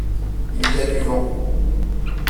Il y a du vent.